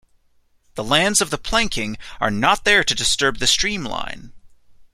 The lands of the planking are not there to disturb the stream line.